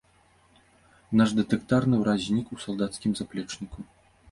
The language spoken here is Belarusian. Наш дэтэктарны ўраз знік у салдацкім заплечніку.